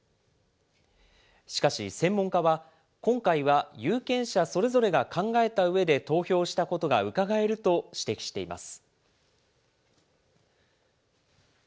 しかし、専門家は、今回は有権者それぞれが考えたうえで投票したことがうかがえると指摘しています。